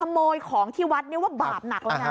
ขโมยของที่วัดนี้ว่าบาปหนัก